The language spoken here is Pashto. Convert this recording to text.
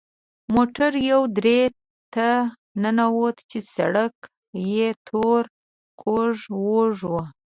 موټر یوې درې ته ننوت چې سړک یې تور کوږ وږ و.